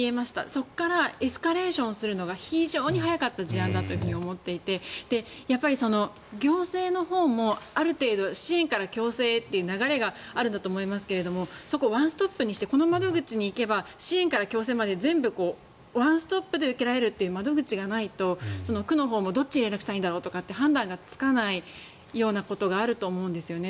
そこからエスカレーションするのが非常に早かった事案だと思っていてやっぱり、行政のほうもある程度支援から強制へという流れがあるんだと思いますがそこをワンストップにしてこの窓口に行けば支援から強制までワンストップで受けられる窓口がないと区のほうもどっちに連絡したらいいんだろうと判断がつかないことがあると思うんですね。